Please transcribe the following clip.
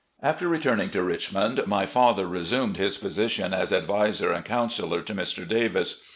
After returning to Richmond, my father resumed his position as adviser and counsellor to Mr. Davis.